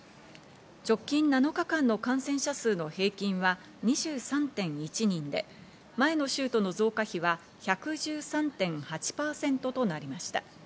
直近７日間の感染者数の平均は２３．１人で、前の週の増加比は１１３．８％となりました。